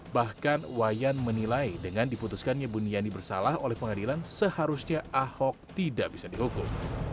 bahkan wayan menilai dengan diputuskannya buniani bersalah oleh pengadilan seharusnya ahok tidak bisa dihukum